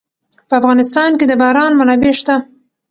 په افغانستان کې د باران منابع شته.